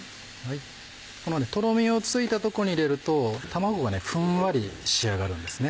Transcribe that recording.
トロミのついたとこに入れると卵がふんわり仕上がるんですね。